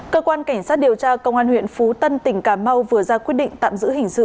cơ quan cảnh sát điều tra công an huyện phú tân tỉnh cà mau vừa ra quyết định tạm giữ hình sự